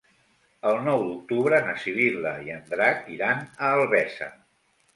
El nou d'octubre na Sibil·la i en Drac iran a Albesa.